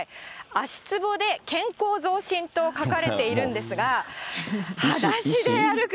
足ツボで健康増進と書かれているんですが、はだしで歩く